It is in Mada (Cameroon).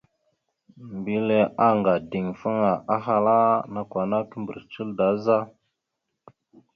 Mbile anga ideŋfaŋa, ahala: « Nakw ana kimbrec naɗ da za? ».